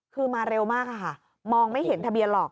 คือมาเร็วมากค่ะมองไม่เห็นทะเบียนหรอก